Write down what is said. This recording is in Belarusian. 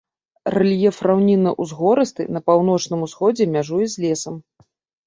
Рэльеф раўнінна-ўзгорысты, на паўночным усходзе мяжуе з лесам.